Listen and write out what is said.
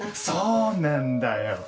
そうなんだよ。